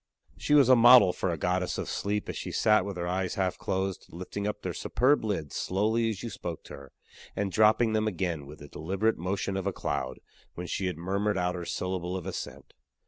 She was a model for a goddess of sleep as she sat with her eyes half closed, lifting up their superb lids slowly as you spoke to her, and dropping them again with the deliberate motion of a cloud, when she had murmured out her syllable of assent.